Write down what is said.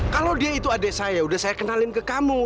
kalau dia itu adik saya udah saya kenalin ke kamu